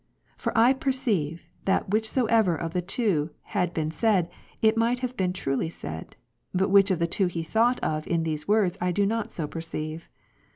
For I perceive, that which soever of the two had been said, it might have been truly said ; but which of the two he thought of in these words, I do not so perceive.